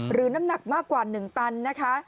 น้ำหนักมากกว่า๑ตันนะคะ